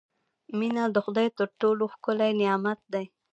• مینه د خدای تر ټولو ښکلی نعمت دی.